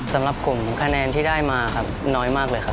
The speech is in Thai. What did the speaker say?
ช่วยฝังดินหรือกว่า